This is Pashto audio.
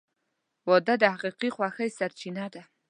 • واده د حقیقي خوښۍ سرچینه ده.